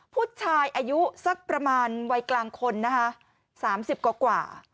ผู้ชายอายุสักประมาณวัยกลางคนนะคะ๓๐กว่า